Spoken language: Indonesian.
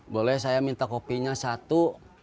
boleh saya minta kopinya satu